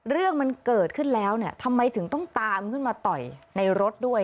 เรื่องมันเกิดขึ้นแล้วเนี่ยทำไมถึงต้องตามขึ้นมาต่อยในรถด้วย